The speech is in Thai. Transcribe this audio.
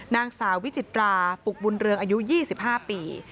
นางสาววิจิตราปุกบุญเรืองอายุ๒๕ปี